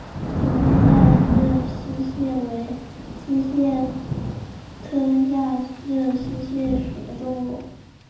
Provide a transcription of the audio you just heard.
短鞭亚热溪蟹为溪蟹科亚热溪蟹属的动物。